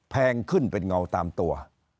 แพงขึ้นเป็นเงาตามตัว